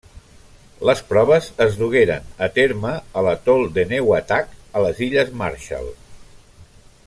Les proves es dugueren a terme a l'atol d'Enewetak, a les Illes Marshall.